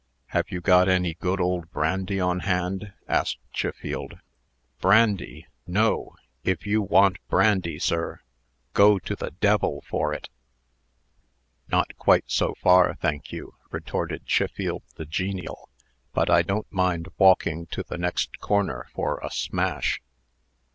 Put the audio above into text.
"Have you any good old brandy on hand?" asked Chiffield. "Brandy! No. If you want brandy, sir, go to the d l for it." "Not quite so far, thank you," retorted Chiffield the genial; "but I don't mind walking to the next corner for a smash."